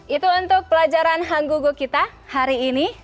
itu untuk pelajaran hanggugu kita hari ini